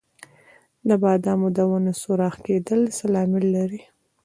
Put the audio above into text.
د بادامو د ونو سوراخ کیدل څه لامل لري؟